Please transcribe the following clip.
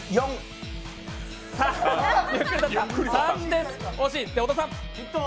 ３です。